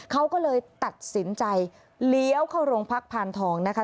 เขาก็เลยตัดสินใจเลี้ยวเข้าโรงพักพานทองนะคะ